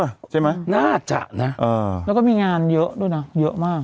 น่าจะน่าจะแล้วก็มีงานเยอะด้วยนะเยอะมาก